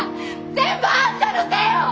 全部あんたのせいよ！